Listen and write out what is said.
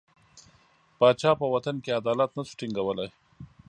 پاچا په وطن کې عدالت نه شو ټینګولای.